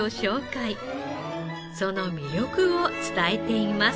その魅力を伝えています。